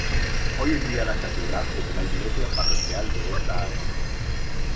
Hoy en día la catedral es la iglesia parroquial de esta área.